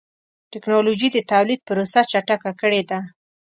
ټکنالوجي د تولید پروسه چټکه کړې ده.